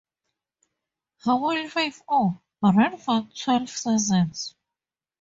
"Hawaii Five O" ran for twelve seasons.